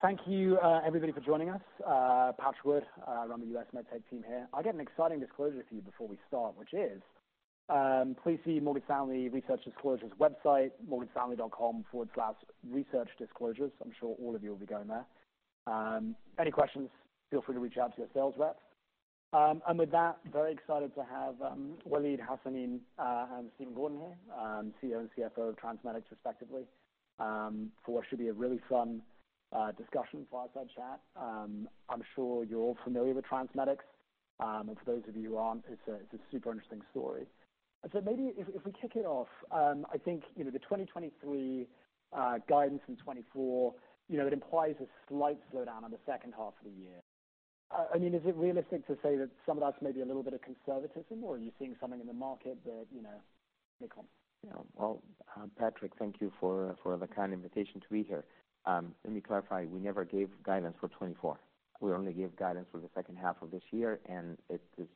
Thank you, everybody for joining us. Patrick Wood, I run the US MedTech team here. I've got an exciting disclosure for you before we start, which is, please see Morgan Stanley research disclosures website, morganstanley.com/researchdisclosures. I'm sure all of you will be going there. Any questions, feel free to reach out to your sales rep. And with that, very excited to have, Waleed Hassanein, and Stephen Gordon here, CEO and CFO of TransMedics, respectively, for what should be a really fun, discussion for fireside chat. I'm sure you're all familiar with TransMedics. And for those of you who aren't, it's a super interesting story. Maybe if we kick it off, I think, you know, the 2023 guidance in 2024, you know, it implies a slight slowdown on the second half of the year. I mean, is it realistic to say that some of that's maybe a little bit of conservatism, or are you seeing something in the market that, you know, may come? Yeah. Well, Patrick, thank you for the kind invitation to be here. Let me clarify. We never gave guidance for 2024. We only gave guidance for the second half of this year, and it is.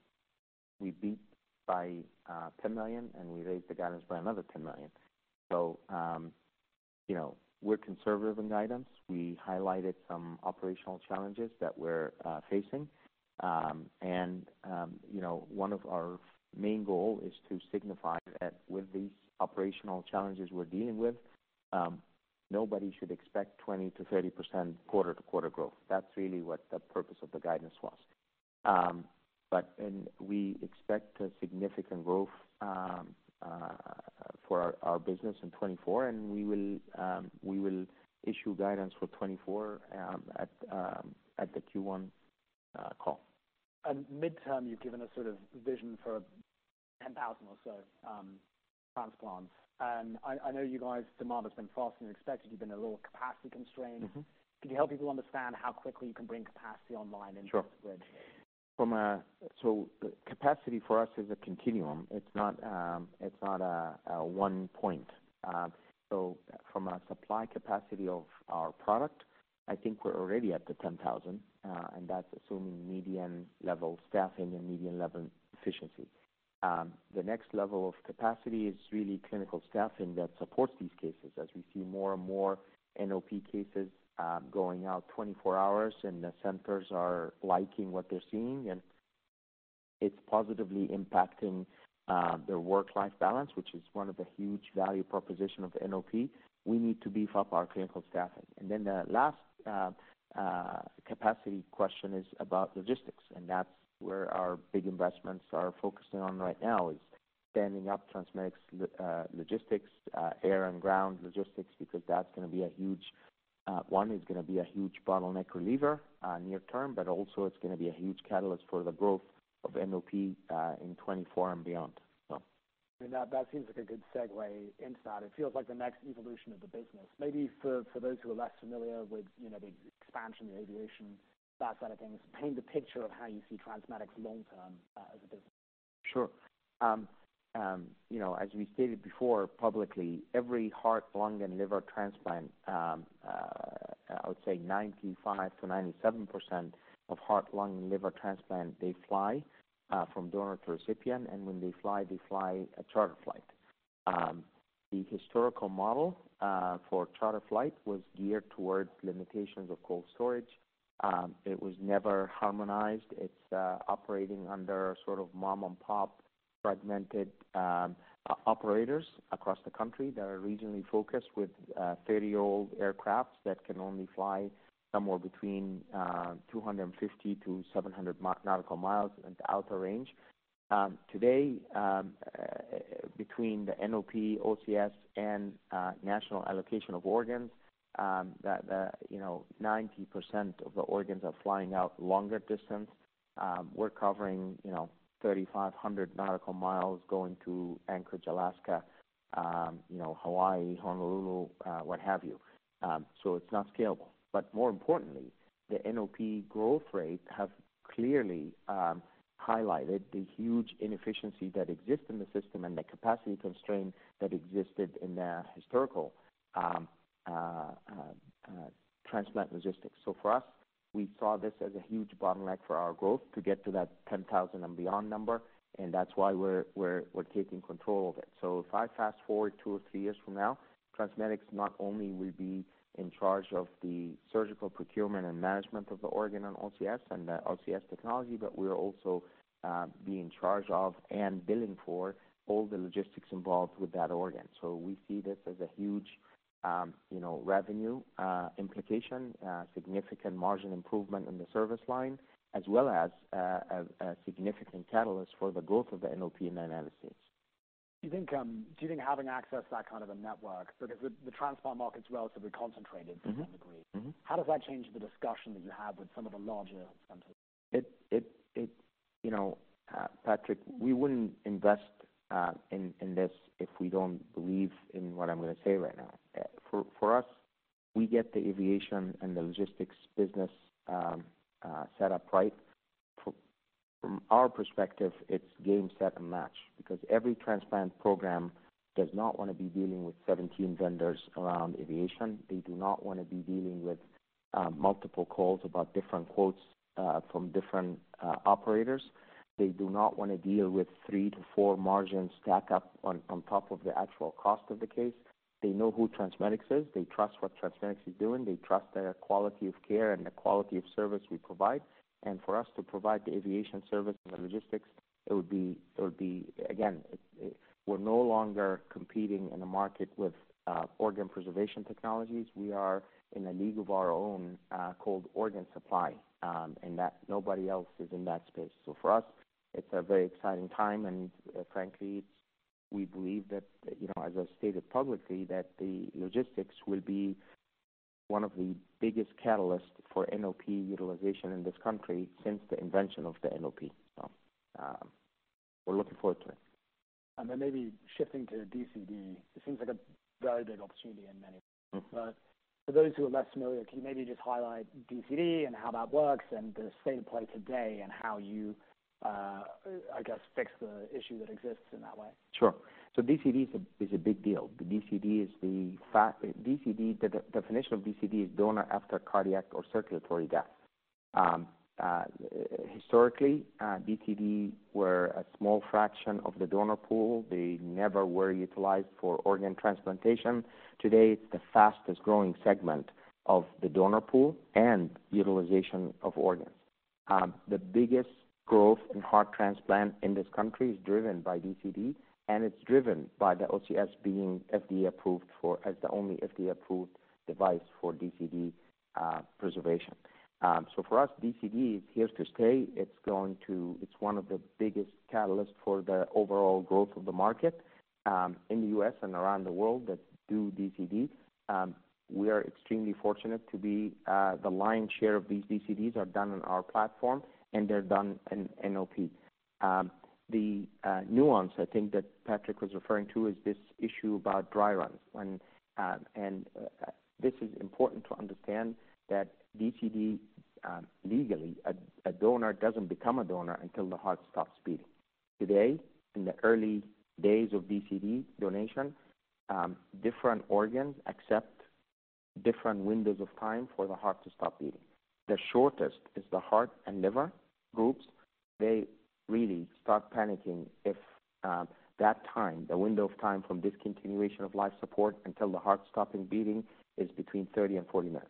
We beat by $10 million, and we raised the guidance by another $10 million. So, you know, we're conservative in guidance. We highlighted some operational challenges that we're facing. And, you know, one of our main goal is to signify that with these operational challenges we're dealing with, nobody should expect 20%-30% quarter-to-quarter growth. That's really what the purpose of the guidance was. But and we expect a significant growth for our business in 2024, and we will issue guidance for 2024 at the Q1 call. Midterm, you've given a sort of vision for 10,000 or so transplants. I know you guys, demand has been faster than expected. You've been a little capacity constrained. Mm-hmm. Can you help people understand how quickly you can bring capacity online and- Sure. So capacity for us is a continuum. It's not, it's not a one point. So from a supply capacity of our product, I think we're already at the 10,000, and that's assuming median level staffing and median level efficiency. The next level of capacity is really clinical staffing that supports these cases. As we see more and more NOP cases, going out 24 hours, and the centers are liking what they're seeing, and it's positively impacting their work-life balance, which is one of the huge value proposition of NOP. We need to beef up our clinical staffing. And then the last capacity question is about logistics, and that's where our big investments are focusing on right now, is standing up TransMedics logistics, air and ground logistics, because that's gonna be a huge... One, it's gonna be a huge bottleneck reliever near term, but also it's gonna be a huge catalyst for the growth of NOP in 2024 and beyond. So- That seems like a good segue inside. It feels like the next evolution of the business. Maybe for those who are less familiar with, you know, the expansion, the aviation, that side of things, paint the picture of how you see TransMedics long term, as a business. Sure. You know, as we stated before, publicly, every heart, lung and liver transplant, I would say 95%-97% of heart, lung, and liver transplant, they fly from donor to recipient, and when they fly, they fly a charter flight. The historical model for charter flight was geared towards limitations of cold storage. It was never harmonized. It's operating under sort of mom-and-pop, fragmented, operators across the country that are regionally focused with 30-year-old aircrafts that can only fly somewhere between 250-700 nautical miles at the outer range. Today, between the NOP, OCS and national allocation of organs, you know, 90% of the organs are flying out longer distance. We're covering, you know, 3,500 nautical miles going to Anchorage, Alaska, you know, Hawaii, Honolulu, what have you. So it's not scalable. But more importantly, the NOP growth rates have clearly highlighted the huge inefficiency that exists in the system and the capacity constraint that existed in the historical transplant logistics. So for us, we saw this as a huge bottleneck for our growth to get to that 10,000 and beyond number, and that's why we're taking control of it. So if I fast-forward two or three years from now, TransMedics not only will be in charge of the surgical procurement and management of the organ on OCS and the OCS technology, but we'll also be in charge of and billing for all the logistics involved with that organ. So we see this as a huge, you know, revenue implication, significant margin improvement in the service line, as well as a significant catalyst for the growth of the NOP and the OCS. Do you think, do you think having access to that kind of a network, because the transplant market's relatively concentrated to some degree? Mm-hmm. Mm-hmm. How does that change the discussion that you have with some of the larger centers? You know, Patrick, we wouldn't invest in this if we don't believe in what I'm gonna say right now. For us, we get the aviation and the logistics business set up right. From our perspective, it's game, set, and match, because every transplant program does not want to be dealing with 17 vendors around aviation. They do not want to be dealing with multiple calls about different quotes from different operators. They do not want to deal with three-four margins stacked up on top of the actual cost of the case. They know who TransMedics is. They trust what TransMedics is doing. They trust the quality of care and the quality of service we provide. And for us to provide the aviation service and the logistics, it would be, again, we're no longer competing in a market with organ preservation technologies. We are in a league of our own, called organ supply, and that nobody else is in that space. So for us, it's a very exciting time, and frankly, it's we believe that, you know, as I've stated publicly, that the logistics will be one of the biggest catalysts for NOP utilization in this country since the invention of the NOP. So, we're looking forward to it. And then maybe shifting to DCD, it seems like a very big opportunity in many ways. Mm-hmm. For those who are less familiar, can you maybe just highlight DCD and how that works and the state of play today, and how you, I guess, fix the issue that exists in that way? Sure. So DCD is a big deal. The DCD, the definition of DCD is donor after cardiac or circulatory death. Historically, DCD were a small fraction of the donor pool. They never were utilized for organ transplantation. Today, it's the fastest-growing segment of the donor pool and utilization of organs. The biggest growth in heart transplant in this country is driven by DCD, and it's driven by the OCS being FDA approved for, as the only FDA-approved device for DCD, preservation. So for us, DCD is here to stay. It's one of the biggest catalysts for the overall growth of the market, in the U.S. and around the world that do DCD. We are extremely fortunate to be the lion's share of these DCDs are done on our platform, and they're done in NOP. The nuance, I think, that Patrick was referring to is this issue about dry runs. This is important to understand that DCD, legally, a donor doesn't become a donor until the heart stops beating. Today, in the early days of DCD donation, different organs accept different windows of time for the heart to stop beating. The shortest is the heart and liver groups. They really start panicking if that time, the window of time from discontinuation of life support until the heart stopping beating, is between 30 and 40 minutes.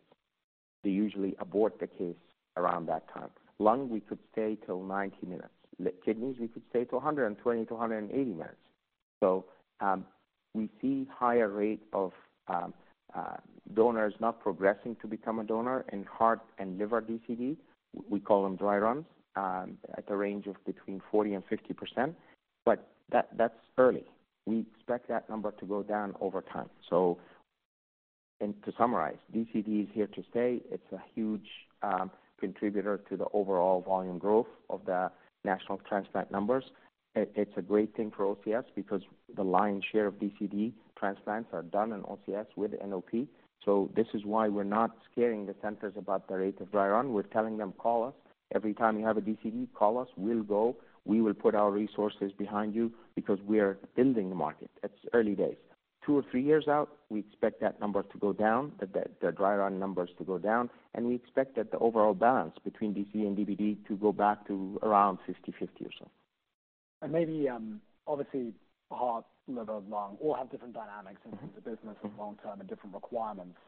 They usually abort the case around that time. Lung, we could stay till 90 minutes. The kidneys, we could stay to 120-180 minutes. So, we see higher rate of donors not progressing to become a donor in heart and liver DCD. We call them dry runs at a range of between 40% and 50%, but that's early. We expect that number to go down over time. So, to summarize, DCD is here to stay. It's a huge contributor to the overall volume growth of the national transplant numbers. It's a great thing for OCS because the lion's share of DCD transplants are done in OCS with NOP. So this is why we're not scaring the centers about the rate of dry run. We're telling them, "Call us. Every time you have a DCD, call us. We'll go. We will put our resources behind you," because we are building the market. It's early days. Two or three years out, we expect that number to go down, the dry run numbers to go down, and we expect that the overall balance between DCD and DBD to go back to around 50/50 or so. And maybe, obviously, heart, liver, lung, all have different dynamics in terms of business and long term and different requirements.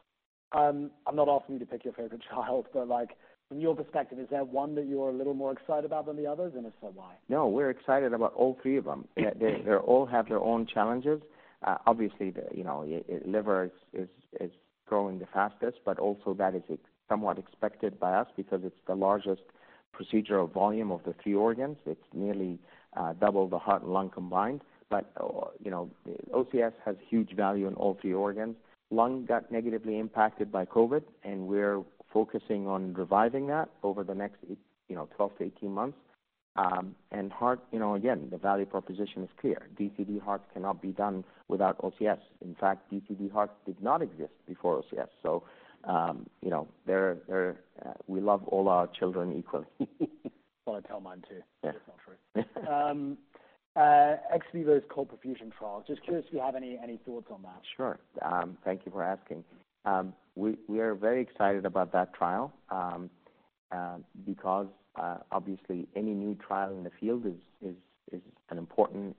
I'm not asking you to pick your favorite child, but, like, from your perspective, is there one that you're a little more excited about than the others? And if so, why? No, we're excited about all three of them. Mm. They all have their own challenges. Obviously, you know, the liver is growing the fastest, but also that is somewhat expected by us because it's the largest procedural volume of the three organs. It's nearly double the heart and lung combined. But you know, OCS has huge value in all three organs. Lung got negatively impacted by COVID, and we're focusing on reviving that over the next 12-18 months. And heart, you know, again, the value proposition is clear. DCD hearts cannot be done without OCS. In fact, DCD hearts did not exist before OCS. So, you know, we love all our children equally. Well, I tell mine, too. Yeah. It's not true. XVIVO's cold perfusion trial. Just curious if you have any thoughts on that? Sure. Thank you for asking. We are very excited about that trial, because obviously, any new trial in the field is an important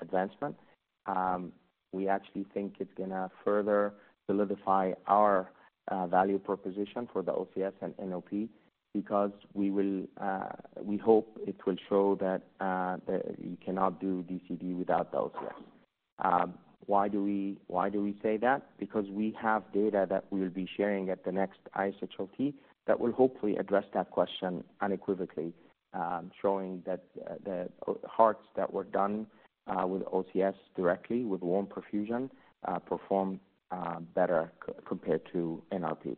advancement. We actually think it's gonna further solidify our value proposition for the OCS and NLP because we hope it will show that you cannot do DCD without the OCS. Why do we say that? Because we have data that we will be sharing at the next ISHLT, that will hopefully address that question unequivocally, showing that the hearts that were done with OCS directly, with warm perfusion, perform better compared to NRP.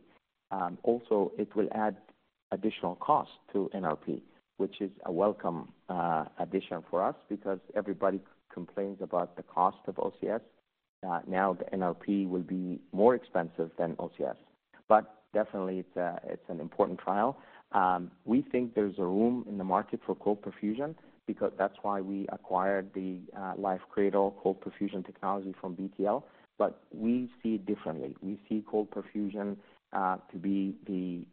Also, it will add additional cost to NRP, which is a welcome addition for us because everybody complains about the cost of OCS. Now, the NRP will be more expensive than OCS, but definitely it's an important trial. We think there's a room in the market for cold perfusion because that's why we acquired the LifeCradle cold perfusion technology from BTL, but we see it differently. We see cold perfusion to be the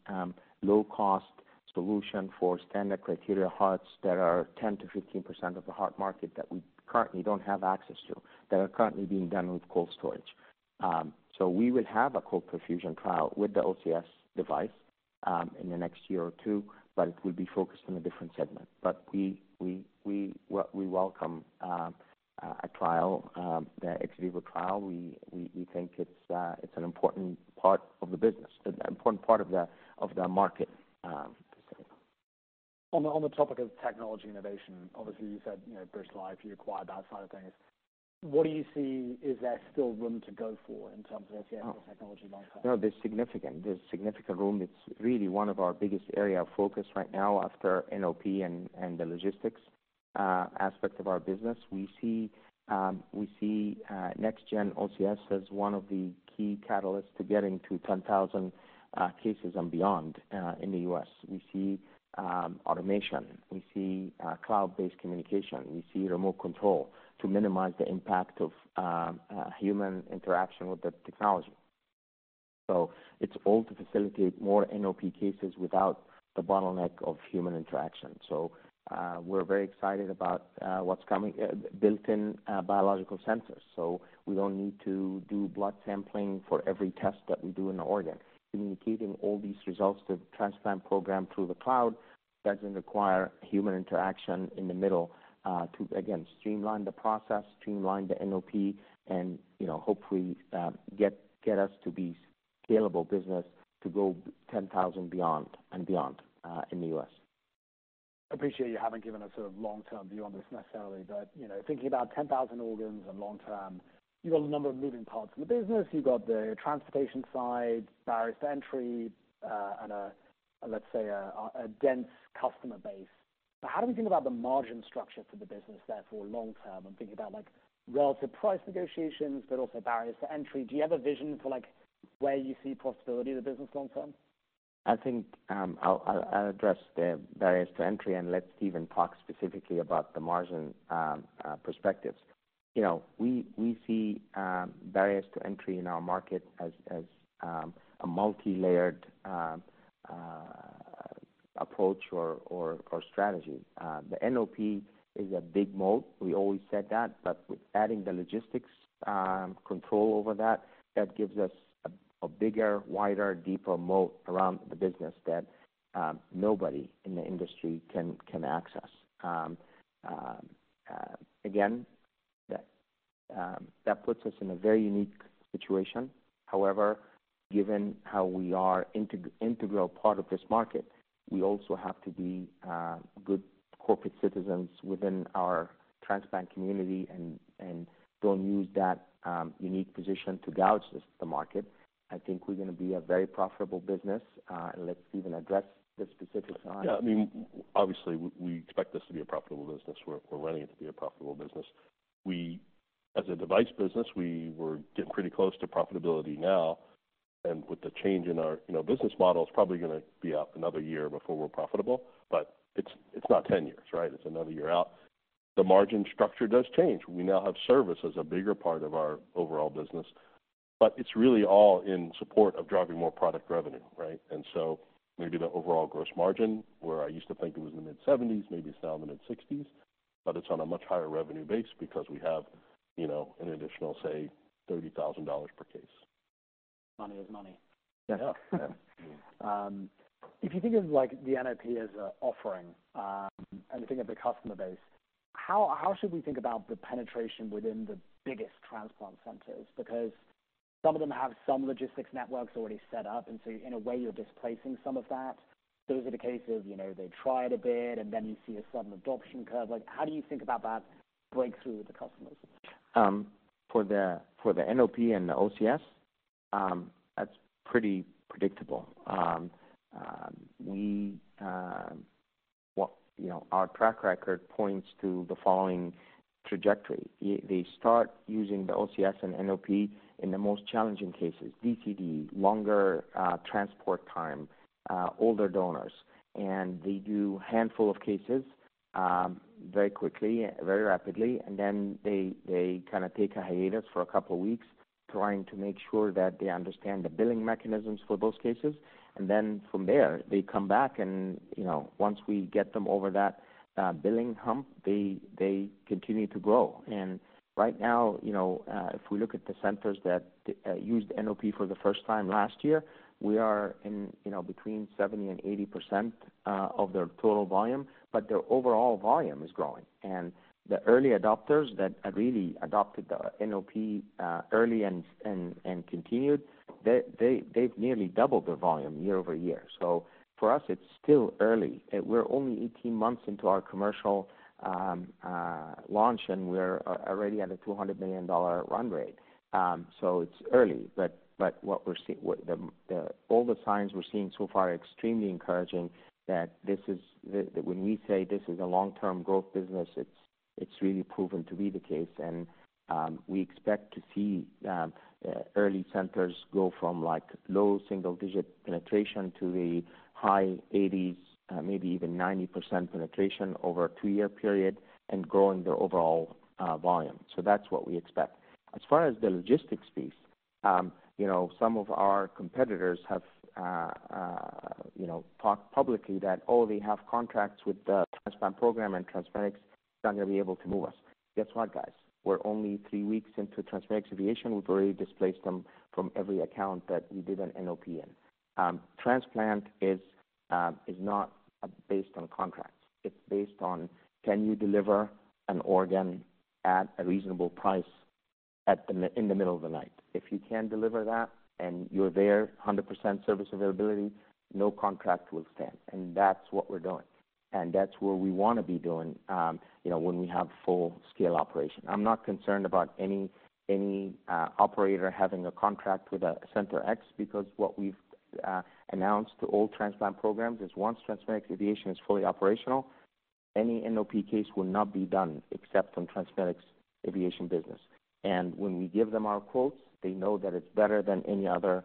low-cost solution for standard criteria hearts that are 10%-15% of the heart market that we currently don't have access to, that are currently being done with cold storage. So we will have a cold perfusion trial with the OCS device in the next year or two, but it will be focused on a different segment. But we welcome a trial, the XVIVO trial. We think it's an important part of the business, an important part of the market, so. On the topic of technology innovation, obviously, you said, you know, LifeCradle, you acquired that side of things. What do you see? Is there still room to go for in terms of OCS technology long term? No, there's significant, there's significant room. It's really one of our biggest area of focus right now after NOP and, and the logistics aspect of our business. We see, we see, next gen OCS as one of the key catalysts to getting to 10,000 cases and beyond in the U.S. We see automation. We see cloud-based communication. We see remote control to minimize the impact of human interaction with the technology. So it's all to facilitate more NOP cases without the bottleneck of human interaction. So, we're very excited about what's coming, built-in biological sensors. So we don't need to do blood sampling for every test that we do in the organ. Communicating all these results to the transplant program through the cloud doesn't require human interaction in the middle to again streamline the process, streamline the NOP, and, you know, hopefully get us to be scalable business to go 10,000 beyond and beyond in the U.S. I appreciate you haven't given us a long-term view on this necessarily, but, you know, thinking about 10,000 organs and long term, you've got a number of moving parts in the business. You got the transportation side, barriers to entry, and a, let's say, a dense customer base. But how do we think about the margin structure for the business therefore, long term, and think about, like, relative price negotiations, but also barriers to entry? Do you have a vision for, like, where you see possibility of the business long term? I think, I'll address the barriers to entry and let Stephen talk specifically about the margin perspectives. You know, we see barriers to entry in our market as a multilayered approach or strategy. The NOP is a big moat. We always said that, but with adding the logistics control over that, that gives us a bigger, wider, deeper moat around the business that nobody in the industry can access. Again, that puts us in a very unique situation. However, given how we are integral part of this market, we also have to be good corporate citizens within our transplant community and don't use that unique position to gouge the market. I think we're gonna be a very profitable business. Let's Stephen address the specifics on- Yeah, I mean, obviously, we expect this to be a profitable business. We're, we're running it to be a profitable business. We, as a device business, we were getting pretty close to profitability now, and with the change in our, you know, business model, it's probably gonna be out another year before we're profitable, but it's, it's not 10 years, right? It's another year out. The margin structure does change. We now have service as a bigger part of our overall business, but it's really all in support of driving more product revenue, right? And so maybe the overall gross margin, where I used to think it was in the mid-70s, maybe it's now in the mid-60s, but it's on a much higher revenue base because we have, you know, an additional, say, $30,000 per case. money is money. I know. If you think of, like, the NOP as an offering, and you think of the customer base, how should we think about the penetration within the biggest transplant centers? Because some of them have some logistics networks already set up, and so in a way, you're displacing some of that. Those are the cases, you know, they try it a bit, and then you see a sudden adoption curve. Like, how do you think about that breakthrough with the customers? For the NOP and the OCS, that's pretty predictable. You know, our track record points to the following trajectory. They start using the OCS and NOP in the most challenging cases, DCD, longer transport time, older donors, and they do handful of cases, very quickly, very rapidly, and then they kinda take a hiatus for a couple of weeks, trying to make sure that they understand the billing mechanisms for those cases. And then from there, they come back and, you know, once we get them over that billing hump, they continue to grow. Right now, you know, if we look at the centers that used NOP for the first time last year, we are in, you know, between 70%-80% of their total volume, but their overall volume is growing. The early adopters that really adopted the NOP early and continued, they've nearly doubled their volume year-over-year. For us, it's still early. We're only 18 months into our commercial launch, and we're already at a $200 million run rate. So it's early, but what we're seeing. What the, the. All the signs we're seeing so far are extremely encouraging that this is. That when we say this is a long-term growth business, it's really proven to be the case. We expect to see early centers go from, like, low single-digit penetration to the high 80s, maybe even 90% penetration over a two-year period and growing their overall volume. So that's what we expect. As far as the logistics piece, you know, some of our competitors have, you know, talked publicly that, oh, they have contracts with the transplant program, and TransMedics is not going to be able to move us. Guess what, guys? We're only three weeks into TransMedics Aviation. We've already displaced them from every account that we did an NOP in. Transplant is not based on contracts. It's based on can you deliver an organ at a reasonable price in the middle of the night? If you can deliver that and you're there, 100% service availability, no contract will stand, and that's what we're doing, and that's where we want to be doing, you know, when we have full-scale operation. I'm not concerned about any operator having a contract with a center X, because what we've announced to all transplant programs is once TransMedics Aviation is fully operational, any NOP case will not be done except on TransMedics Aviation business. And when we give them our quotes, they know that it's better than any other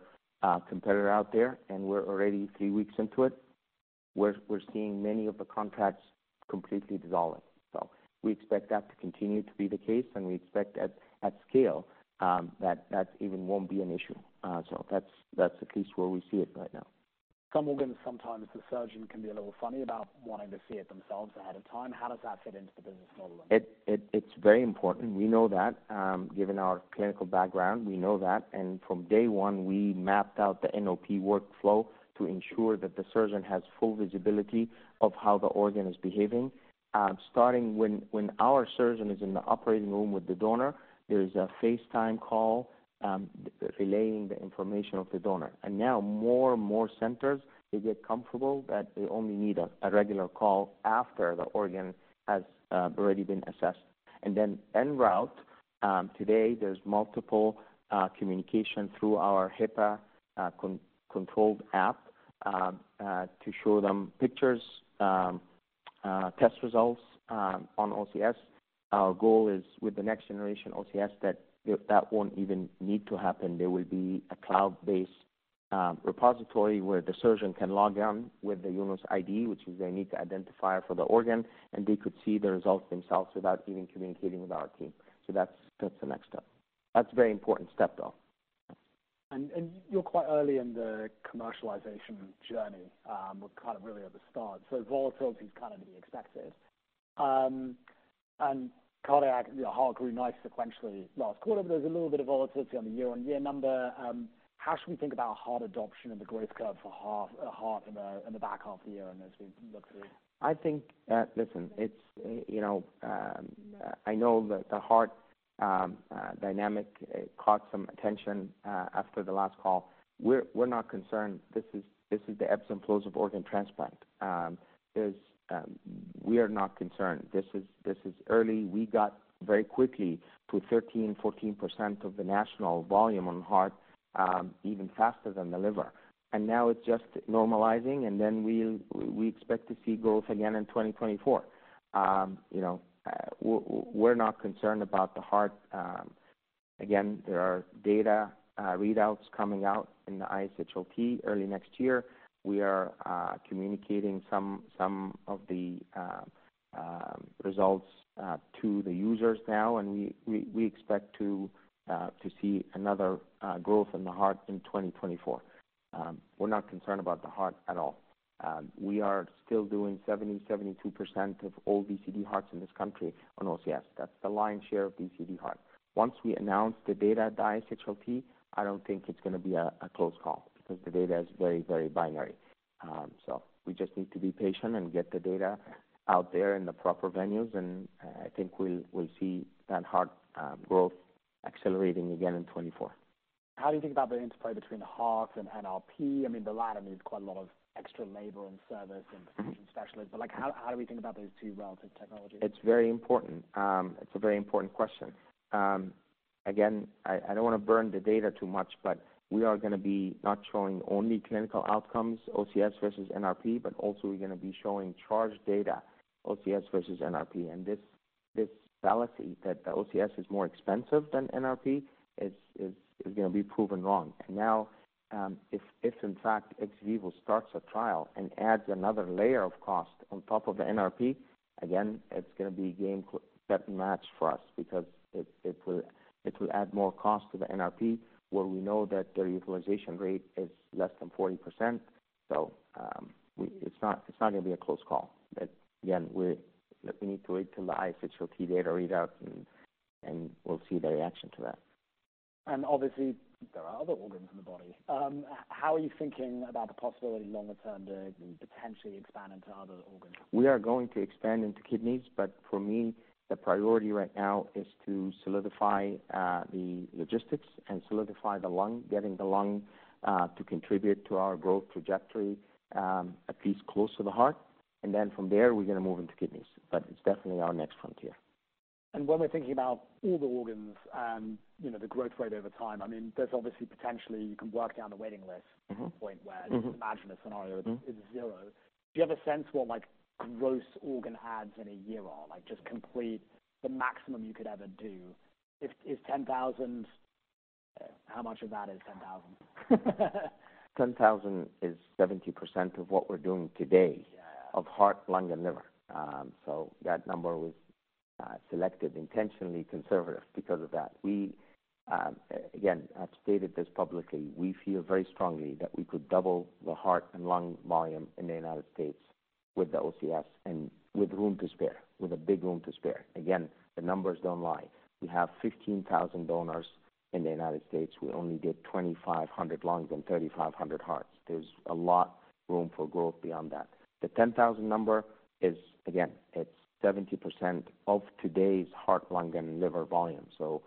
competitor out there, and we're already three weeks into it, where we're seeing many of the contracts completely dissolving. So we expect that to continue to be the case, and we expect at scale that even won't be an issue. So that's at least where we see it right now. Some organs, sometimes the surgeon can be a little funny about wanting to see it themselves ahead of time. How does that fit into the business model? It's very important. We know that. Given our clinical background, we know that, and from day one, we mapped out the NOP workflow to ensure that the surgeon has full visibility of how the organ is behaving. Starting when our surgeon is in the operating room with the donor, there is a FaceTime call relaying the information of the donor. And now more and more centers, they get comfortable that they only need a regular call after the organ has already been assessed. And then en route, today, there's multiple communication through our HIPAA controlled app to show them pictures, test results on OCS. Our goal is with the next generation OCS, that won't even need to happen. There will be a cloud-based repository where the surgeon can log in with the UNOS ID, which is their unique identifier for the organ, and they could see the results themselves without even communicating with our team. So that's, that's the next step. That's a very important step, though. You're quite early in the commercialization journey. We're kind of really at the start, so volatility is kind of to be expected. And cardiac, the heart grew nice sequentially last quarter. There's a little bit of volatility on the year-on-year number. How should we think about heart adoption and the growth curve for half- a heart in the, in the back half of the year and as we look through? I think, listen, it's, you know, I know that the heart dynamic caught some attention after the last call. We're not concerned. This is the ebbs and flows of organ transplant. There's, we are not concerned. This is early. We got very quickly to 13%-14% of the national volume on heart, even faster than the liver. And now it's just normalizing, and then we expect to see growth again in 2024. You know, we're not concerned about the heart. Again, there are data readouts coming out in the ISHLT early next year. We are communicating some of the results to the users now, and we expect to see another growth in the heart in 2024. We're not concerned about the heart at all. We are still doing 70%-72% of all DCD hearts in this country on OCS. That's the lion's share of DCD heart. Once we announce the data at the ISHLT, I don't think it's going to be a close call because the data is very, very binary. So we just need to be patient and get the data out there in the proper venues, and I think we'll see that heart growth accelerating again in 2024. How do you think about the interplay between the heart and NRP? I mean, the latter needs quite a lot of extra labor and service and specialists, but like, how do we think about those two relative technologies? It's very important. It's a very important question. Again, I don't want to burn the data too much, but we are going to be not showing only clinical outcomes, OCS versus NRP, but also we're going to be showing charge data, OCS versus NRP. And this fallacy that the OCS is more expensive than NRP is going to be proven wrong. And now, if in fact, XVIVO starts a trial and adds another layer of cost on top of the NRP, again, it's going to be game, set, and match for us because it will add more cost to the NRP, where we know that their utilization rate is less than 40%. So, it's not going to be a close call. But again, we need to wait till the ISHLT data readout, and we'll see the reaction to that. Obviously, there are other organs in the body. How are you thinking about the possibility longer term to potentially expand into other organs? We are going to expand into kidneys, but for me, the priority right now is to solidify the logistics and solidify the lung, getting the lung to contribute to our growth trajectory, at least close to the heart. And then from there, we're going to move into kidneys, but it's definitely our next frontier. When we're thinking about all the organs and, you know, the growth rate over time, I mean, there's obviously potentially you can work down the waiting list. Mm-hmm. to the point where, just imagine a scenario Mm-hmm. is zero. Do you have a sense what, like, gross organ adds in a year are? Like, just complete the maximum you could ever do. If is 10,000, how much of that is 10,000? 10,000 is 70% of what we're doing today- Yeah. -of heart, lung, and liver. So that number was selective, intentionally conservative because of that. We, again, I've stated this publicly, we feel very strongly that we could double the heart and lung volume in the United States with the OCS and with room to spare, with a big room to spare. Again, the numbers don't lie. We have 15,000 donors in the United States. We only get 2,500 lungs and 3,500 hearts. There's a lot of room for growth beyond that. The 10,000 number is, again, it's 70% of today's heart, lung, and liver volume. So,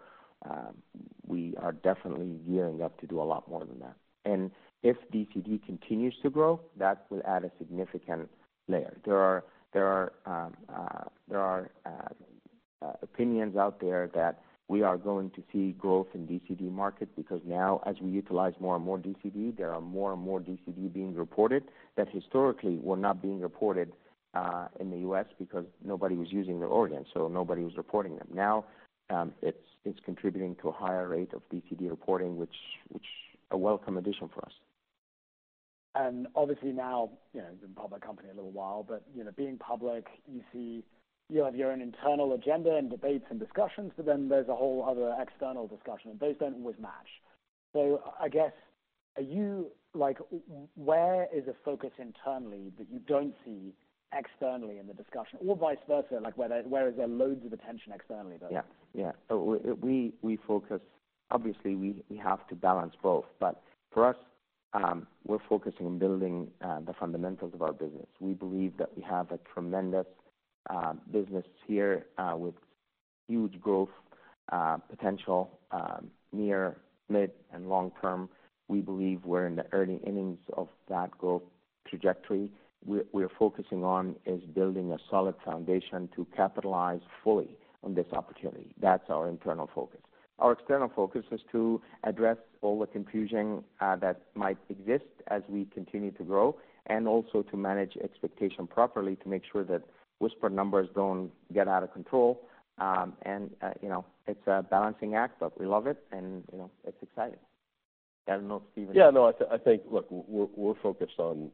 we are definitely gearing up to do a lot more than that. And if DCD continues to grow, that will add a significant layer. There are opinions out there that we are going to see growth in DCD market, because now as we utilize more and more DCD, there are more and more DCD being reported, that historically were not being reported, in the U.S. because nobody was using their organs, so nobody was reporting them. Now, it's contributing to a higher rate of DCD reporting, which a welcome addition for us. And obviously now, you know, it's been a public company a little while, but, you know, being public, you see, you have your own internal agenda and debates and discussions, but then there's a whole other external discussion, and those don't always match. So I guess, are you like, where is the focus internally that you don't see externally in the discussion? Or vice versa, like, where, where is there loads of attention externally, but Yeah. Yeah. So we focus, obviously, we have to balance both. But for us, we're focusing on building the fundamentals of our business. We believe that we have a tremendous business here with huge growth potential near, mid, and long term. We believe we're in the early innings of that growth trajectory. We're focusing on is building a solid foundation to capitalize fully on this opportunity. That's our internal focus. Our external focus is to address all the confusion that might exist as we continue to grow, and also to manage expectation properly, to make sure that whisper numbers don't get out of control. You know, it's a balancing act, but we love it, and, you know, it's exciting. I don't know, Stephen. Yeah, no, I think, look, we're focused on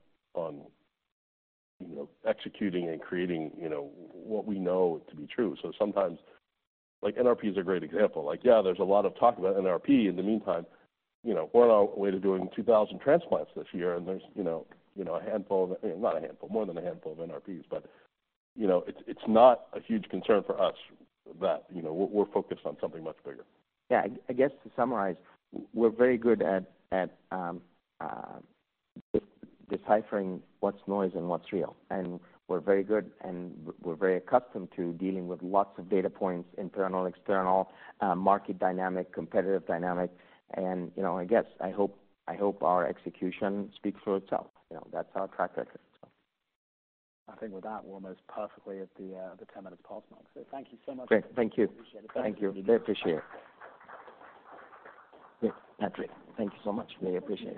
you know, executing and creating, you know, what we know to be true. So sometimes, like NRP is a great example. Like, yeah, there's a lot of talk about NRP. In the meantime, you know, we're on our way to doing 2,000 transplants this year, and there's, you know, a handful, not a handful, more than a handful of NRPs. But, you know, it's not a huge concern for us that... You know, we're focused on something much bigger. Yeah. I guess to summarize, we're very good at deciphering what's noise and what's real. And we're very good, and we're very accustomed to dealing with lots of data points, internal, external, market dynamic, competitive dynamic. And, you know, I guess, I hope our execution speaks for itself. You know, that's our track record, so. I think with that, we're almost perfectly at the ten minutes past mark. So thank you so much. Great. Thank you. Appreciate it. Thank you. We appreciate it. Great, Patrick, thank you so much. We appreciate it.